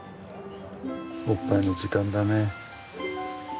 おっぱいの時間だね。